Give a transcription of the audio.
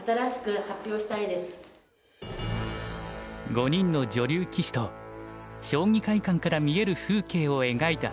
５人の女流棋士と将棋会館から見える風景を描いた作品。